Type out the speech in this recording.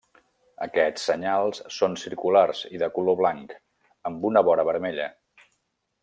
Aquests senyals són circulars i de color blanc amb una vora vermella.